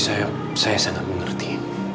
saya sangat mengerti